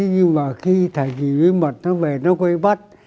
nhưng mà khi thời kỳ bí mật nó về nó quay bắt